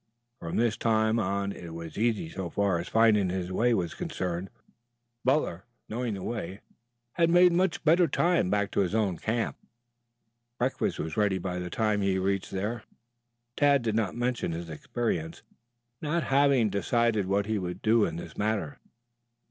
From this time on it was easy so far as finding his way was concerned. Butler, knowing the way, had made much better time back to his own camp. Breakfast was ready by the time he reached there. Tad did not mention his experience, not having decided what he would do in this matter.